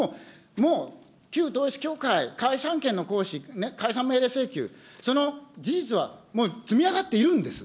もう旧統一教会、解散権の行使、解散命令請求、その事実はもう積み上がっているんです。